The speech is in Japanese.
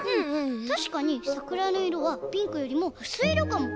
たしかにさくらのいろはピンクよりもうすいいろかも。